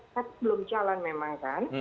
kan belum jalan memang kan